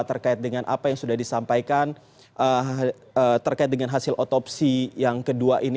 terkait dengan apa yang sudah disampaikan terkait dengan hasil otopsi yang kedua ini